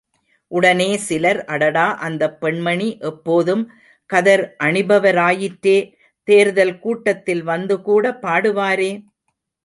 உடனே சிலர், அடடா அந்த பெண்மணி எப்போதும் கதர் அணிபவராயிற்றே, தேர்தல் கூட்டத்தில் வந்துகூட பாடுவாரே!